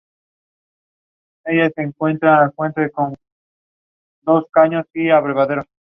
Está disponible gratuitamente bajo condiciones de servicio específicas.